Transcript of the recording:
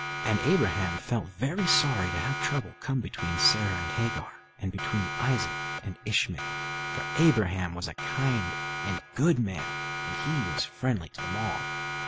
And Abraham felt very sorry to have trouble come between Sarah and Hagar, and between Isaac and Ishmael; for Abraham was a kind and good man, and he was friendly to them all.